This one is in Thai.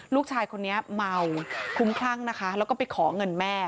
ลูกชายคนนี้เมาคุ้มคลั่งนะคะแล้วก็ไปขอเงินแม่